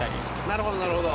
なるほどなるほど。